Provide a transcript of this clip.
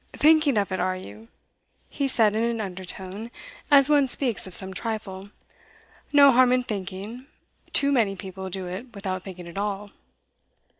'Thinking of it, are you?' he said, in an undertone, as one speaks of some trifle. 'No harm in thinking. Too many people do it without thinking at all.